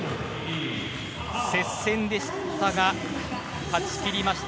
接戦でしたが勝ち切りました。